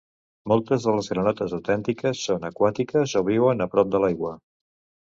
Moltes de les granotes autèntiques són aquàtiques o viuen a prop de l'aigua.